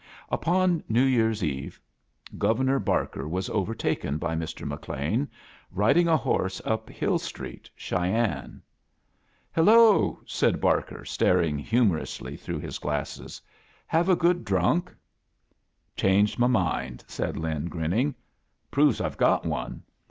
Upon New Year's Eve Governor Bar ker was overtaken by Mr. McLean riding a horse up Hill Street, Cheyenne. "Hello!" said Barker, staring humor ously ttirough his glasses. "Have a good drunk?" "Changed my mind," said Lin, grinning. "Proves Fve got one.